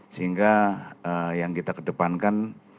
sehingga yang kita kedepankan